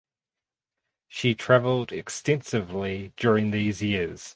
She travelled extensively during these years.